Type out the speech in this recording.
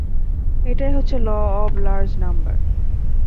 এটাই হচ্ছে law of large number.